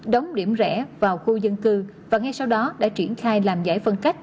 đóng điểm rẽ vào khu dân cư và ngay sau đó đã triển khai làm giải phân cách